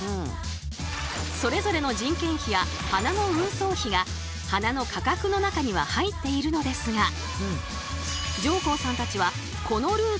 それぞれの人件費や花の運送費が花の価格の中には入っているのですが上甲さんたちはこのルートを短縮。